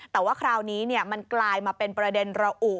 แต่ว่าคราวนี้มันกลายมาเป็นประเด็นระอุ